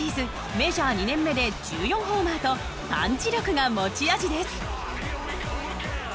メジャー２年目で１４ホーマーとパンチ力が持ち味です。